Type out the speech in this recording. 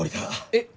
えっ？